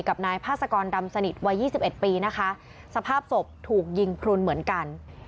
กับนายพาสกรดำสนิทวัยยี่สิบเอ็ดปีนะคะสภาพศพถูกยิงพลุนเหมือนกัน